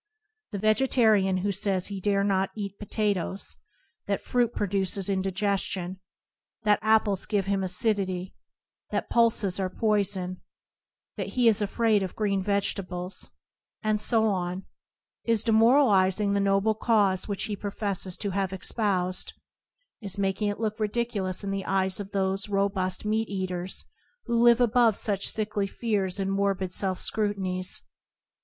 The vegetarian who says he dare not eat [ 34] IBoDp ana Circumstance potatoes, that fruit produces indigestion, that apples give him acidity, that pulses are poison, that he is afraid of green vegetables, and so on, is demoralizing the noble cause which he professes to have espoused, is mak ing it look ridiculous in the eyes of those ro bust meat eaters who live above such sickly fears and morbid self scrutinies.